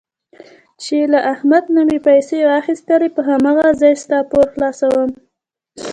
چې له احمد نه مې پیسې واخیستلې په هماغه ځای ستا پور خلاصوم.